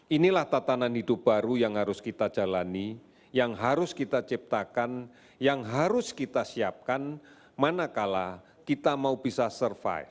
inilah tatanan hidup baru yang harus kita jalani yang harus kita ciptakan yang harus kita siapkan manakala kita mau bisa survive